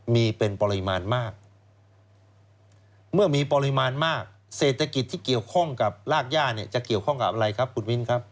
มีเป็นปริมาณมากเมื่อมีปริมาณมากเศรษฐกิจที่เกี่ยวข้องกับรากย่าเนี่ยจะเกี่ยวข้องกับอะไรครับคุณมิ้นครับ